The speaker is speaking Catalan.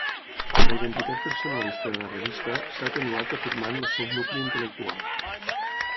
La identitat personalista de la revista s'ha atenuat afirmant el seu nucli intel·lectual.